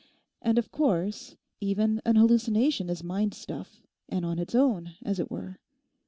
And of course even an hallucination is mind stuff, and on its own, as it were.